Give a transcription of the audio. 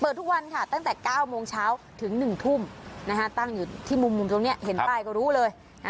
ทุกวันค่ะตั้งแต่๙โมงเช้าถึง๑ทุ่มตั้งอยู่ที่มุมตรงนี้เห็นป้ายก็รู้เลย